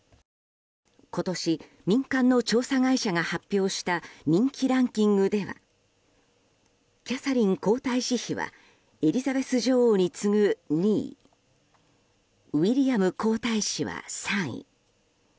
今年、民間の調査会社が発表した人気ランキングではキャサリン皇太子妃はエリザベス女王に次ぐ２位ウィリアム皇太子は３位。